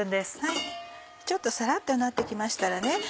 ちょっとサラっとなって来ましたらね